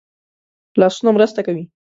لاسونه مرسته کوي